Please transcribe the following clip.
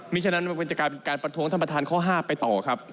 ฉะนั้นมันจะกลายเป็นการประท้วงท่านประธานข้อ๕ไปต่อครับ